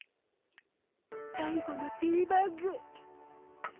最後のティーバッグ。